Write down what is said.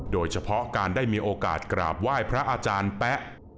โดยเฉพาะการได้มีโอกาสกราบไหว้พระอาจารย์แป๊ะ